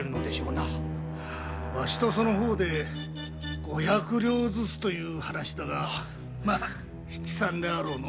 ワシとその方で五百両ずつと言う話だが「七三」であろうの。